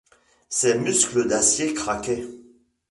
Ses muscles d’acier craquaient.